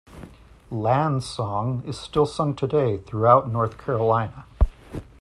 Land's song is still sung today throughout North Carolina.